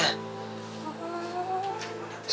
sebenarnya itu masih kemarin